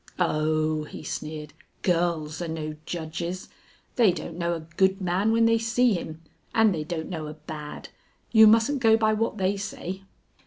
"Oh!" he sneered; "girls are no judges. They don't know a good man when they see him, and they don't know a bad. You mustn't go by what they say."